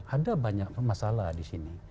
ada banyak masalah di sini